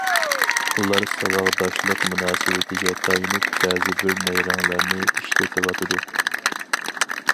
ئۇلار ساۋاقداشلىق مۇناسىۋىتىگە تايىنىپ بەزىبىر نەيرەڭلەرنى ئىشلىتىۋاتىدۇ.